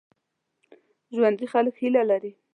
ژوندي خلک هیله لري